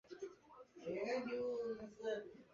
但三莺线八德计画移转桃园捷运。